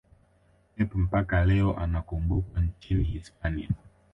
pep mpaka leo anakumbukwa nchini hispania